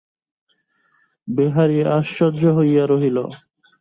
বিহারী আশ্চর্য হইয়া রহিল।